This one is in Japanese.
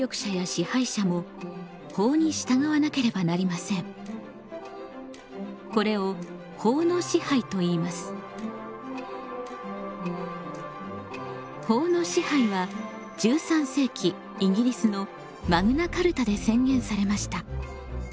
皆さんも「法の支配」は１３世紀イギリスのマグナ・カルタで宣言されました。